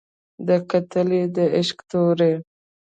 ده کتلى د عشق تورى